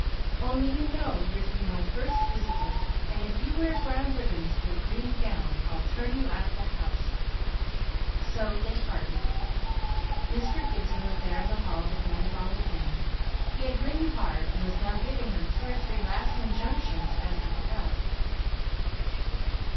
"Only you know you are to be my first visitor, and if you wear brown ribbons to a green gown, I'll turn you out of the house!" So they parted. Mr. Gibson was there in the hall to hand Molly in. He had ridden hard; and was now giving her two or three last injunctions as to her health.